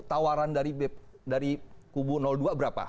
tawaran dari kubu dua berapa